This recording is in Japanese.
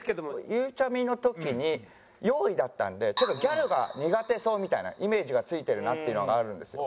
ゆうちゃみの時に４位だったんでちょっとギャルが苦手そうみたいなイメージがついてるなっていうのがあるんですよ。